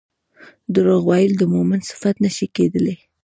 دروغ ويل د مؤمن صفت نه شي کيدلی